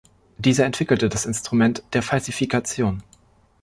Dieser entwickelte das Instrument der Falsifikation.